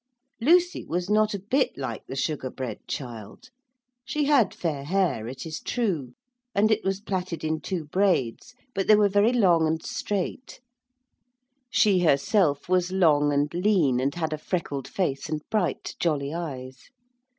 Lucy was not a bit like the Sugar Bread child. She had fair hair, it is true, and it was plaited in two braids, but they were very long and straight; she herself was long and lean and had a freckled face and bright, jolly eyes.